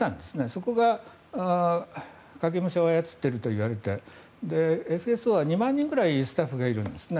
そこが影武者を操っているといわれてＦＳＯは２万人ぐらいスタッフいるんですね。